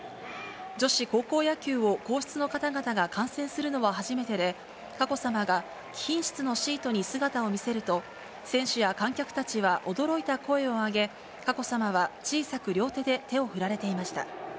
女子高校野球を皇室の方々が観戦するのは初めてで、佳子さまが貴賓室のシートに姿を見せると、選手や観客たちは驚いた声を上げ、佳子さまは小さく両手で手を振られていました。